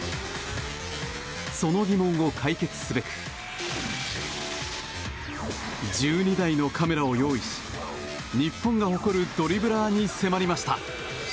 その疑問を解決すべく１２台のカメラを用意し日本が誇るドリブラーに迫りました。